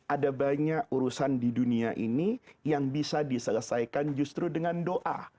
ada banyak urusan di dunia ini yang bisa diselesaikan justru dengan doa